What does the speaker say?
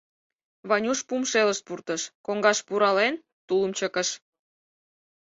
Ванюш пум шелышт пуртыш, коҥгаш пурален, тулым чыкыш.